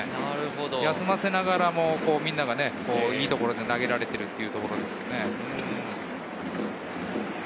休ませながらも、みんながいいところで投げられているということですよね。